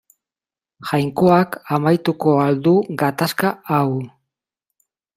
Jainkoak amaituko al du gatazka hau.